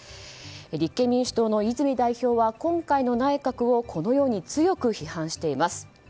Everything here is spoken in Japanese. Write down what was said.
立憲民主党の泉代表は今回の内閣をこのように強く批判しています。